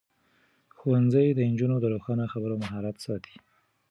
ښوونځی نجونې د روښانه خبرو مهارت ساتي.